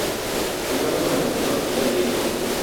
Jugaba como lanzador y era diestro.